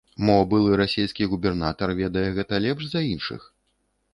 Мо, былы расійскі губернатар ведае гэта лепш за іншых?